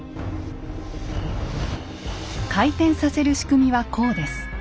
回転させる仕組みはこうです。